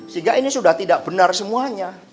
sehingga ini sudah tidak benar semuanya